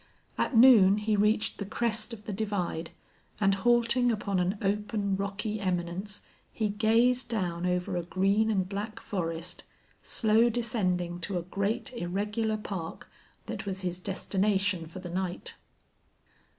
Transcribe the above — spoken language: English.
At noon he reached the crest of the divide, and, halting upon an open, rocky eminence, he gazed down over a green and black forest, slow descending to a great irregular park that was his destination for the night.